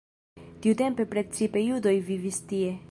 Tiutempe precipe judoj vivis tie.